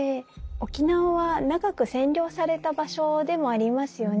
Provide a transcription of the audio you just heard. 沖縄は長く占領された場所でもありますよね。